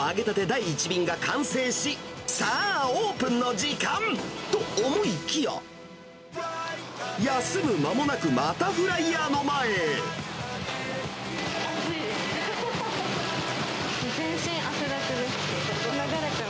第１便が完成し、さあ、オープンの時間、と思いきや、休む間もなく、またフライヤーの暑いです。